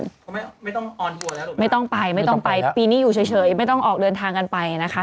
เขาไม่ต้องออนหัวแล้วไม่ต้องไปไม่ต้องไปปีนี้อยู่เฉยไม่ต้องออกเดินทางกันไปนะคะ